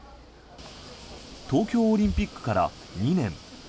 東京オリンピックから２年。